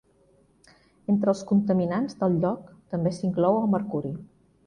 Entre els contaminants del lloc també s'inclou el mercuri.